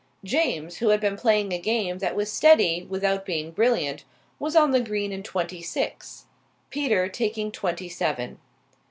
James, who had been playing a game that was steady without being brilliant, was on the green in twenty six, Peter taking twenty seven.